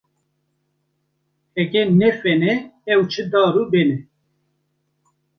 Heke ne fen e, ev çi dar û ben e.